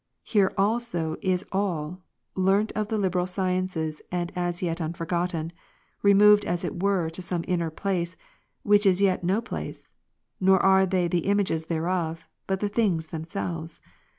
Here also is all, learnt of the liberal sciences and as yet unforgotten ; removed as it were to some inner place, which is yet no place : nor are they the images thereof, but the things themselves.